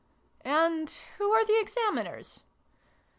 " And who are the Examiners